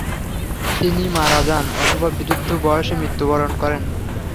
তিনি মারা যান, অথবা বৃদ্ধ বয়সে মৃত্যুবরণ করেন।